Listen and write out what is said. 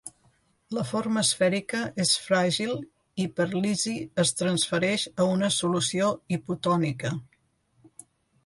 La forma esfèrica és fràgil i per lisi es transfereix a una solució hipotònica.